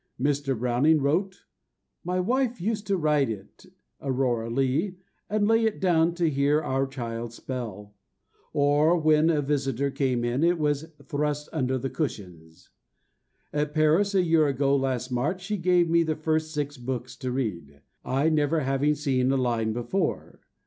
Mr. Browning wrote: "My wife used to write it (Aurora Leigh) and lay it down to hear our child spell, or when a visitor came in it was thrust under the cushions. At Paris, a year ago last March, she gave me the first six books to read, I never having seen a line before.